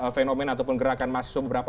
fenomena ataupun gerakan mahasiswa beberapa